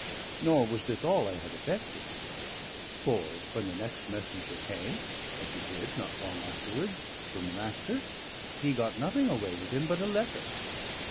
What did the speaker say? Nor was this all I had effected; for when the next messenger came (as he did, not long afterwards) from the Master, he got nothing away with him but a letter.